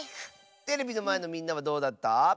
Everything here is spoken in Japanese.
テレビのまえのみんなはどうだった？